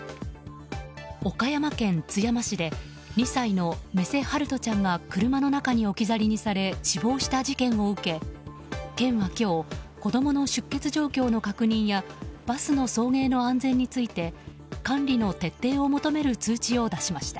岡山県津山市で２歳の目瀬陽翔ちゃんが車の中に置き去りにされ死亡した事件を受け県は今日子供の出欠状況の確認やバスの送迎の安全について管理の徹底を求める通知を出しました。